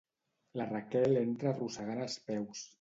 La Raquel entra arrossegant els peus.